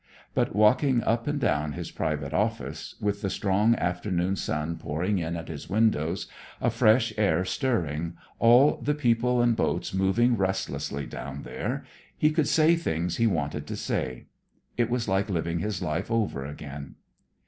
But walking up and down his private office, with the strong afternoon sun pouring in at his windows, a fresh air stirring, all the people and boats moving restlessly down there, he could say things he wanted to say. It was like living his life over again.